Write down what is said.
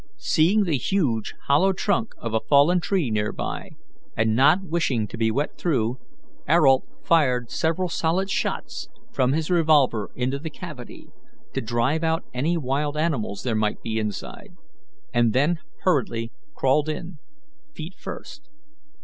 Seeing the huge, hollow trunk of a fallen tree near, and not wishing to be wet through, Ayrault fired several solid shots from his revolver into the cavity, to drive out any wild animals there might be inside, and then hurriedly crawled in, feet first.